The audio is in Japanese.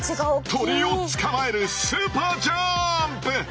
鳥を捕まえるスーパージャンプ！